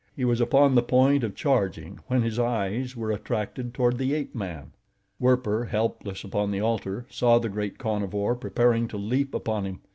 He was upon the point of charging when his eyes were attracted toward the ape man. Werper, helpless upon the altar, saw the great carnivore preparing to leap upon him.